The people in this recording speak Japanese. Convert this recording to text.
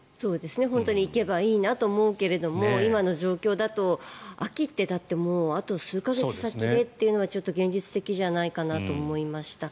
本当に行けばいいなと思うけれども今の状況だと、秋って、だってあと数か月先でというのはちょっと現実的じゃないかなと思いました。